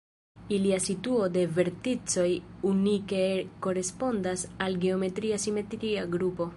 Ilia situo de verticoj unike korespondas al geometria simetria grupo.